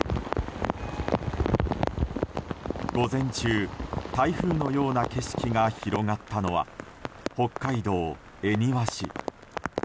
午前中、台風のような景色が広がったのは北海道恵庭市。